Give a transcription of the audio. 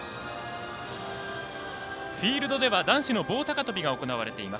フィールドでは男子の棒高跳びが行われています。